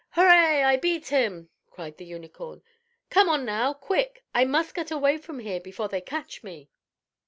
"Hurray! I beat him!" cried the Unicorn. "Come on now, quick, I must get away from here before they catch me!"